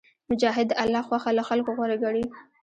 مجاهد د الله خوښه له خلکو غوره ګڼي.